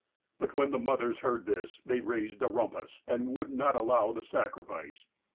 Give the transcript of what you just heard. But when the mothers heard this, they raised a rumpus, and would not allow the sacrifice.